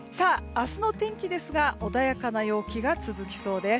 明日の天気ですが穏やかな陽気が続きそうです。